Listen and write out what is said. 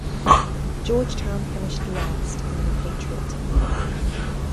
Georgetown finished last in the Patriot League.